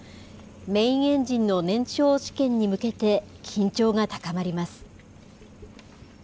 メインエンジンの燃焼試験に向けて、緊張が高まります。